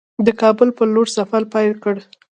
د کابل پر لور سفر پیل کړ.